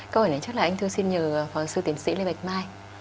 câu hỏi này chắc là anh thư xin nhờ phó giáo sư tiến sĩ lê bạch mai